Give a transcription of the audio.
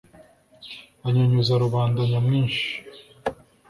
banyunyuza rubanda nyamwinshi